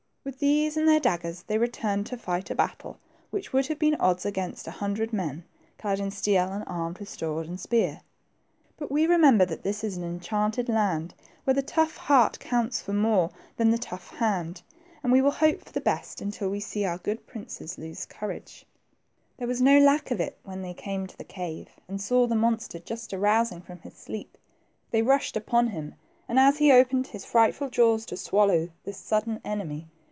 With these and their daggers, they returned to fight a battle which would have been odds against a hundred men, clad in steel and armed with sword and spear. But we remember that it is in enchanted land, where the tough heart counts for more than the tough hand, and we will hope for the best until we see our good princes lose courage. 88 THE TWO PRINCES. There was no lack of it when they came to the cave and saw the monster just arousing from his sleep. They rushed upon him, and as he opened his frightful jaws to swallow this sudden enemy.